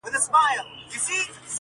د کښتۍ په منځ کي جوړه خوشالي سوه -